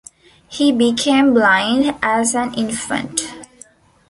He became blind as an infant.